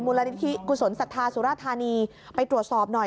ละนิธิกุศลศรัทธาสุราธานีไปตรวจสอบหน่อย